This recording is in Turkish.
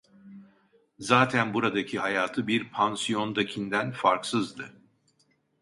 Zaten buradaki hayatı bir pansiyondakinden farksızdı.